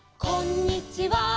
「こんにちは」